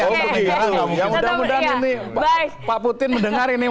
mudah mudahan ini pak putin mendengar ini